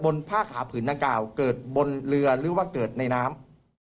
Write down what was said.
ผ้าขาผืนดังกล่าวเกิดบนเรือหรือว่าเกิดในน้ำ